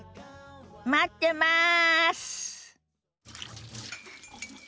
待ってます！